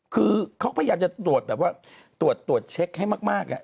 คือเขาพยายามจะตรวจแบบว่าตรวจเช็คให้มาก